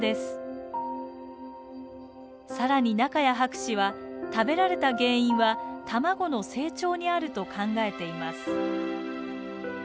さらに仲谷博士は食べられた原因は卵の成長にあると考えています。